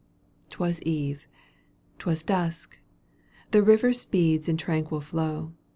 'Twas eve. 'Twas dusk. The river speeds In tranquil flow.